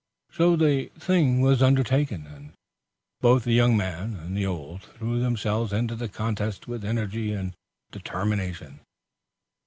So the thing was undertaken, and both the young man and the old threw themselves into the contest with energy and determination.